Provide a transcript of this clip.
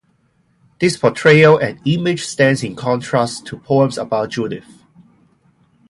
This portrayal and image stands in contrast to poems about Judith.